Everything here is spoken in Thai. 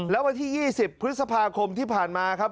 แล้ววันที่๒๐พฤษภาคมที่ผ่านมาครับ